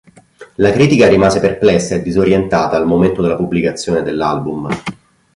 La critica rimase perplessa e disorientata al momento della pubblicazione dell'album.